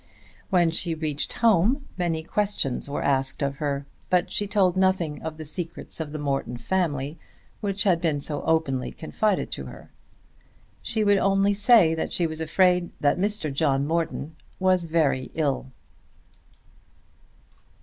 When she reached home many questions were asked of her, but she told nothing of the secrets of the Morton family which had been so openly confided to her. She would only say that she was afraid that Mr. John Morton was very ill.